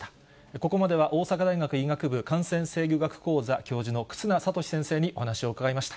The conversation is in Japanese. ここまでは大阪大学医学部感染制御学講座教授の忽那賢志先生にお話を伺いました。